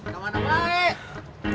kamu ada apa